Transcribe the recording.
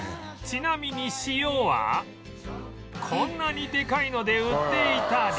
ちなみに塩はこんなにでかいので売っていたり